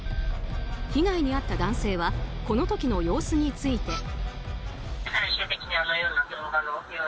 被害に遭った男性はこの時の様子について。